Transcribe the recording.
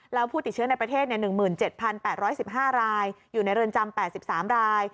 แล้วผู้ติดเชื้อในประเทศ๑๗๘๑๕รายอยู่ในเรือนจำ๘๓ราย